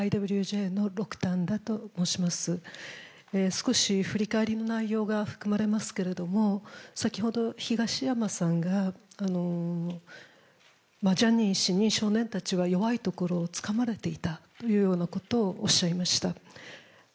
少し振り返りの内容が含まれますけれども、先ほど東山さんがジャニー氏に少年たちは弱いところをつかまれていたというようなことをおっしゃいました。